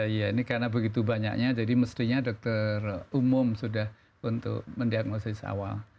iya ini karena begitu banyaknya jadi mestinya dokter umum sudah untuk mendiagnosis awal